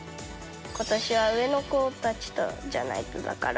ことしは上の子たちじゃないとだから。